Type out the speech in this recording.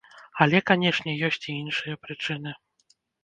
Але, канешне, ёсць і іншыя прычыны.